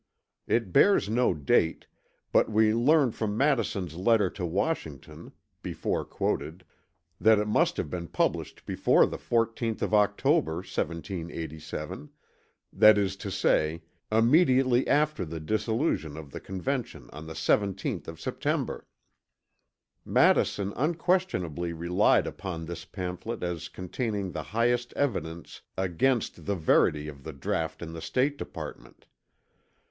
It bears no date, but we learn from Madison's letter to Washington (before quoted) that it must have been published before the 14th of October, 1787; that is to say immediately after the dissolution of the Convention on the 17th of September. Madison unquestionably relied upon this pamphlet as containing the highest evidence against the verity of the draught in the State Department.